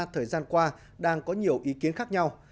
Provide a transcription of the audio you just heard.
thời gian qua đang có nhiều ý kiến khác nhau